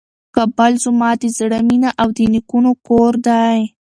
کابل زما د زړه مېنه او د نیکونو کور دی.